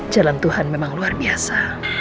jalan tuhan memang luar biasa